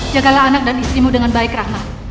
jagalah anak dan istrimu dengan baik rahmat